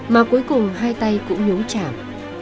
mà cuối cùng hai tay cũng nhú chảm